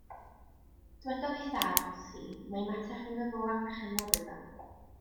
Dywedodd ei thad wrthi mai mater rhyngddo fo a'r perchennog oedd o.